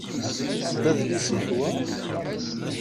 D adlis-ik wa?